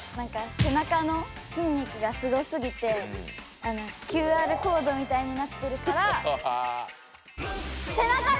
背中の筋肉がすごすぎてＱＲコードみたいになってるから。